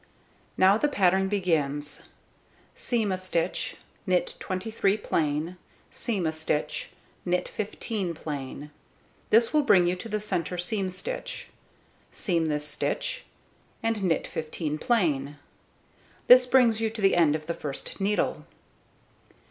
Now the pattern begins: seam a stitch, knit 23 plain, seam a stitch, knit 15 plain. This will bring you to the centre seam stitch. Seam this stitch, and knit 15 plain. This brings you to the end of the first needle.